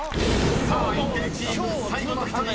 ［さあインテリチーム最後の１人］